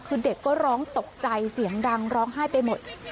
คือเด็กก็ร้องตกใจเสียงดังร้องไห้ไปหมด